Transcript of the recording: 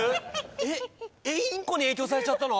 エッヘヘヘインコに影響されちゃったの？